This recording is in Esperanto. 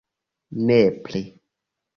Nepre.